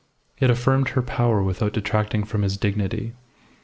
It affirmed her power without detracting from his dignity.